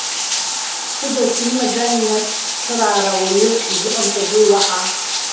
Ҭыгашьа имаӡами нас, цхыраара уаҩы изыҟамҵаӡои уаҳа?